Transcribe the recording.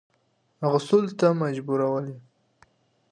اغوستلو ته مجبورولې.